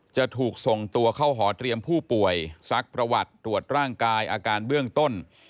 จะถูกส่งตัวเข้าหอเตรียมผู้ป่วยซักประวัติตรวจร่างกายอาการเบื้องต้น